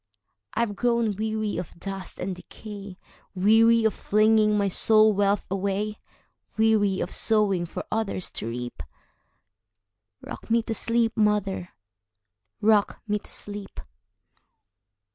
I have grown weary of dust and decay,—Weary of flinging my soul wealth away; Weary of sowing for others to reap;—Rock me to sleep, mother,—rock me to sleep!